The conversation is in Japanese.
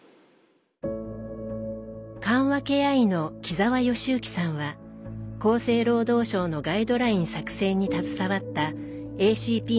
緩和ケア医の木澤義之さんは厚生労働省のガイドライン作成に携わったＡＣＰの第一人者です。